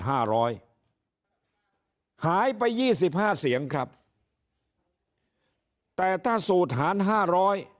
หายไป๒๕เสียงครับแต่ถ้าสูตรหาร๕๐๐